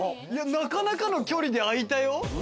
なかなかの距離で開いたよ。